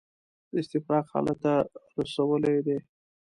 د استفراق حالت ته رسولي دي.